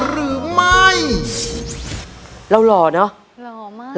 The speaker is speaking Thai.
ขอบคุณค่ะ